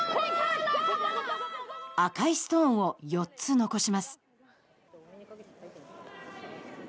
赤いストーンを４つ残します。